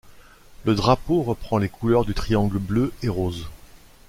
Le drapeau reprend les couleurs du triangle bleu et rose.